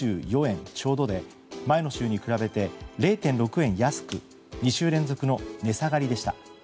ちょうどで前の週に比べて０．６円安く２週連続の値下がりでした。